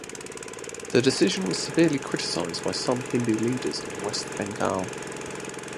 The decision was severely criticised by some Hindu leaders in West Bengal.